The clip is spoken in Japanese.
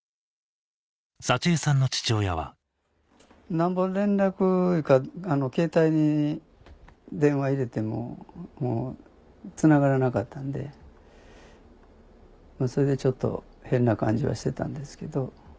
なんぼ連絡いうかケータイに電話入れてもつながらなかったんでそれでちょっと変な感じはしてたんですけど。